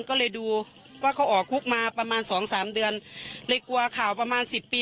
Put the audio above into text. ก็เลยดูว่าเขาออกคุกมาประมาณสองสามเดือนเลยกลัวข่าวประมาณสิบปี